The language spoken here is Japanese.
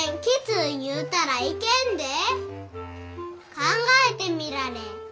考えてみられえ。